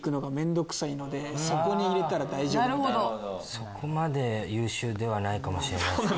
そこまで優秀ではないかもしれないですね。